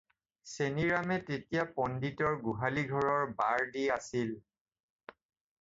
চেনিৰামে তেতিয়া পণ্ডিতৰ গোহালি ঘৰৰ বাৰ দি আছিল।